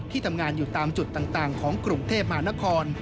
ทำงานอยู่ตามจุดต่างของกรุงเทพมหานคร